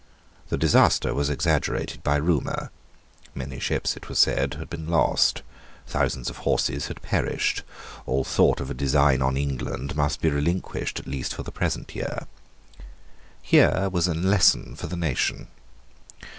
The disaster was exaggerated by rumour. Many ships, it was said, had been lost. Thousands of horses had perished. All thought of a design on England must be relinquished, at least for the present year. Here was a lesson for the nation.